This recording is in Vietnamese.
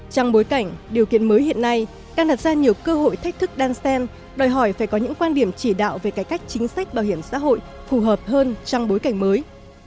trong bối cảnh điều kiện mới hiện nay đang đặt ra nhiều cơ hội thách thức đan sen đòi hỏi phải có những quan điểm chỉ đạo về cải cách chính sách bảo hiểm xã hội phù hợp hơn trong bối cảnh mới